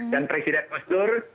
dan presiden masdur